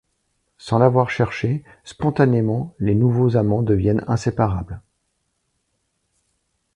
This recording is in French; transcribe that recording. Sans l’avoir cherché, spontanément, les nouveaux amants deviennent inséparables.